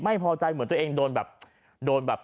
ไม่พอใจตัวเองโดนแบบ